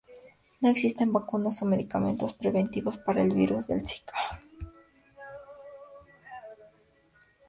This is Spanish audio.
No existen vacunas o medicamentos preventivos para el virus del Zika.